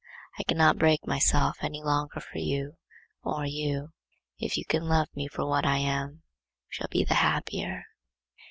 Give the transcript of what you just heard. I cannot break myself any longer for you, or you. If you can love me for what I am, we shall be the happier.